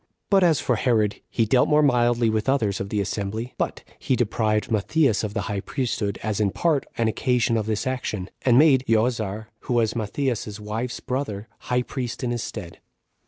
But as for Herod, he dealt more mildly with others [of the assembly] but he deprived Matthias of the high priesthood, as in part an occasion of this action, and made Joazar, who was Matthias's wife's brother, high priest in his stead.